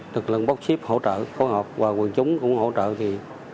lực lượng bóc ship hỗ trợ khối hợp và quân chúng cũng hỗ trợ thì